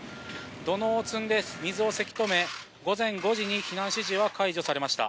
土のうを積んで水をせき止め午前５時に避難指示は解除されました。